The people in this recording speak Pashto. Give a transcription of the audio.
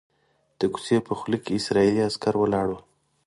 د کوڅې په خوله کې اسرائیلي عسکر ولاړ وو.